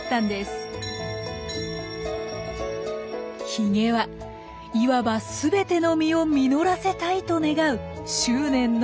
ヒゲはいわば全ての実を実らせたいと願う執念の表れです。